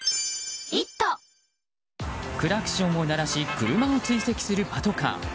クラクションを鳴らし車を追跡するパトカー。